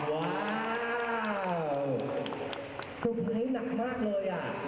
ว้าวสุดท้ายน้ำมากเลยอ่ะ